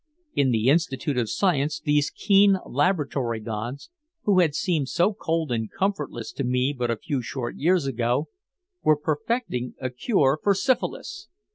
In the institute of science these keen laboratory gods (who had seemed so cold and comfortless to me but a few short years ago) were perfecting a cure for syphilis.